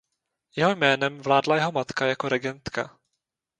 Jeho jménem vládla jeho matka jako regentka.